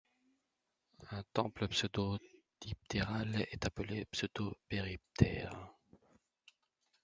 Un temple pseudodiptéral est appelé pseudo-périptère.